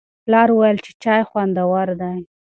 پلار وویل چې چای خوندور دی.